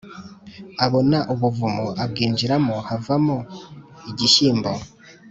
abona ubuvumo abwinjiramo havamo igishyimbo